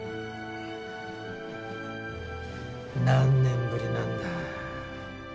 何年ぶりなんだ？